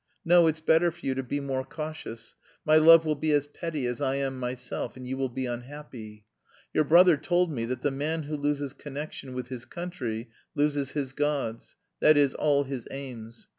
No, it's better for you to be more cautious, my love will be as petty as I am myself and you will be unhappy. Your brother told me that the man who loses connection with his country loses his gods, that is, all his aims.